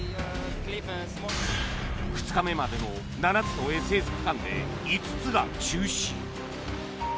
２日目までの７つのＳＳ区間で５つが中止。